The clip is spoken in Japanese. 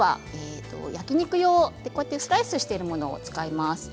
焼き肉用スライスしているものを使います。